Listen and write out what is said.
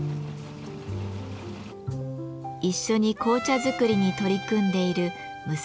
一緒に紅茶作りに取り組んでいる娘の千佳さん。